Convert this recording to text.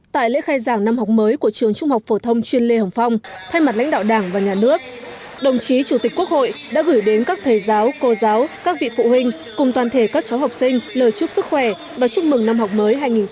tại lễ khai giảng năm học mới của trường trung học phổ thông chuyên lê hồng phong thay mặt lãnh đạo đảng và nhà nước đồng chí chủ tịch quốc hội đã gửi đến các thầy giáo cô giáo các vị phụ huynh cùng toàn thể các cháu học sinh lời chúc sức khỏe và chúc mừng năm học mới hai nghìn một mươi hai nghìn hai mươi